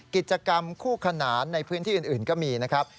กิจกรรมคู่ขนานในพื้นที่อื่นก็มีนะครับ